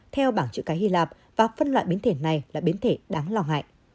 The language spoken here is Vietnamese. theo bảng chữ cái hy lạp và phân loại biến thể này là biến thể đáng lo ngại